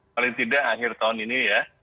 paling tidak akhir tahun ini ya